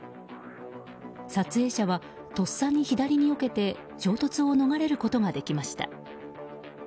撮影者は、とっさに左によけて衝突を逃れることができました。